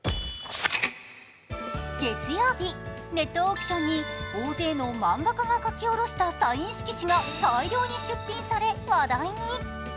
月曜日、ネットオークションに大勢の漫画家が書き下ろしたサイン色紙が大量に出品され話題に。